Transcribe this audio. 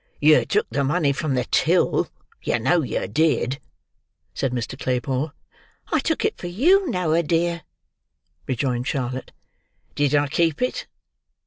"Yer took the money from the till, yer know yer did," said Mr. Claypole. "I took it for you, Noah, dear," rejoined Charlotte. "Did I keep it?"